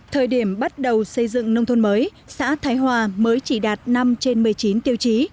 thời điểm bắt đầu xây dựng nông thôn mới xã thái hòa mới chỉ đạt năm trên một mươi chín tiêu chí